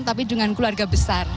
tapi dengan keluarga besar